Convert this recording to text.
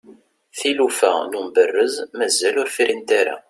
tilufa n umberrez mazal ur frint ara